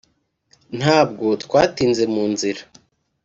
ntabwo twatinze mu nzira